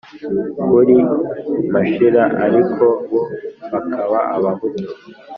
kuri mashira, ariko bo bakaba abahutu.